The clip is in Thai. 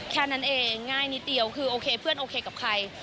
แค่นั้นเองง่ายนิดเดียวคือโอเคเพื่อนโอเคกับใคร